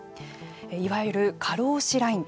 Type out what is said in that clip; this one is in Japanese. いわゆる過労死ライン。